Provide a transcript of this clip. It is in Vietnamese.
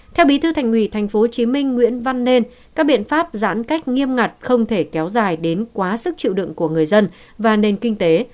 theo bí thư thành ủy tp hcm nguyễn văn nên các biện pháp giãn cách nghiêm ngặt không thể kéo dài đến quá sức chịu đựng của người dân và nền kinh tế